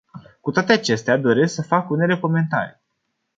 Cu toate acestea, doresc să fac unele comentarii.